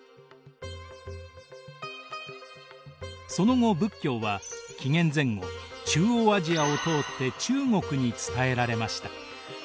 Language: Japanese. その後仏教は紀元前後中央アジアを通って中国に伝えられました。